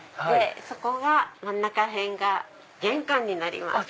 そこ真ん中辺が玄関になります。